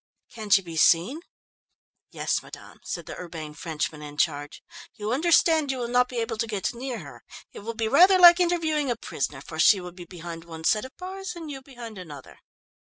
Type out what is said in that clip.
"Can she be seen?" "Yes, madame," said the urbane Frenchman in charge. "You understand, you will not be able to get near her? It will be rather like interviewing a prisoner, for she will be behind one set of bars and you behind another."